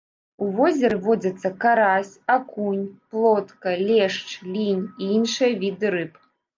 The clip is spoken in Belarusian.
У возеры водзяцца карась, акунь, плотка, лешч, лінь і іншыя віды рыб.